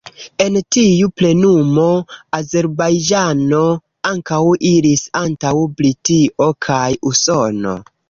En tiu plenumo, Azerbajĝano ankaŭ iris antaŭ Britio kaj Usono.